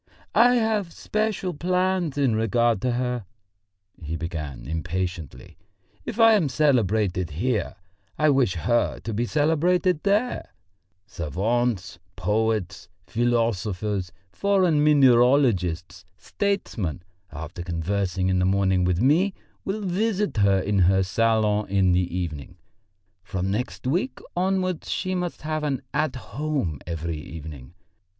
"I have special plans in regard to her," he began impatiently. "If I am celebrated here, I wish her to be celebrated there. Savants, poets, philosophers, foreign mineralogists, statesmen, after conversing in the morning with me, will visit her salon in the evening. From next week onwards she must have an 'At Home' every evening.